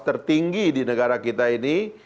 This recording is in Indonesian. tertinggi di negara kita ini